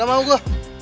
gak mau gue